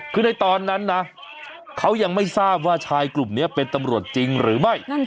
คือในตอนนั้นนะเขายังไม่ทราบว่าชายกลุ่มนี้เป็นตำรวจจริงหรือไม่